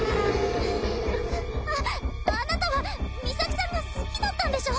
ああなたはミサキさんが好きだったんでしょ？